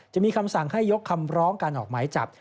จะมีคำสั่งให้ยกคำร้องการออกหมายจับ